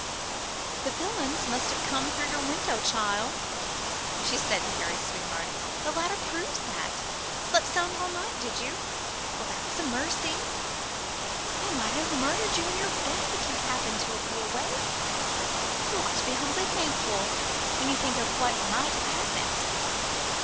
"The villains must have come through your room, child," she said to Harry's sweetheart; "the ladder proves that. Slept sound all night, did you? Well, that was a mercy! They might have murdered you in your bed if you'd happened to be awake. You ought to be humbly thankful when you think of what might have happened."